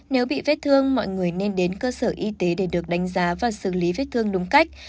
nếu bị vết thương mọi người nên đến cơ sở y tế để được đánh giá và xử lý vết thương đúng cách